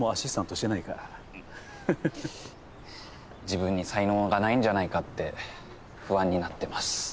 自分に才能がないんじゃないかって不安になってます。